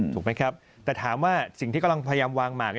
ถูกไหมครับแต่ถามว่าสิ่งที่กำลังพยายามวางหมาก